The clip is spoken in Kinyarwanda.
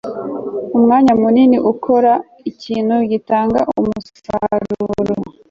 umwanya munini ukora ikintu gitanga umusaruro